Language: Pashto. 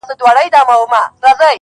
ستا شهپر دي په اسمان کي بریالی وي!